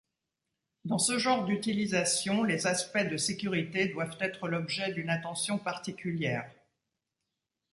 Dans ce genre d’utilisation, les aspects de sécurité doivent être l’objet d’une attention particulière.